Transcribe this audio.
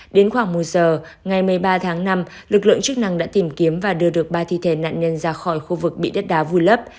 đến khoảng một giờ ngày một mươi ba tháng năm lực lượng chức năng đã tìm kiếm và đưa được ba thi thể nạn nhân ra khỏi khu vực bị đất đá vùi lấp